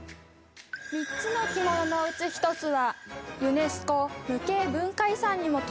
３つの着物のうち１つはユネスコ無形文化遺産にも登録されている